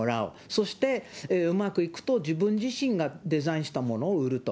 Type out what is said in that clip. そして、うまくいくと、自分自身がデザインしたものを売ると。